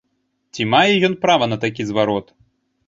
Ці мае ён права на такі зварот?